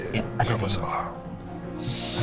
tapi gak masalah